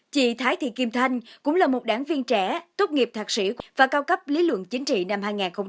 chị thái thị kim thanh cũng là một đảng viên trẻ tốt nghiệp thạc sĩ và cao cấp lý lượng chính trị năm hai nghìn một mươi ba